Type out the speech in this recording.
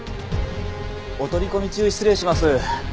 お取り込み中失礼します。